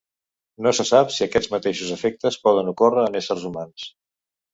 No se sap si aquests mateixos efectes poden ocórrer en éssers humans.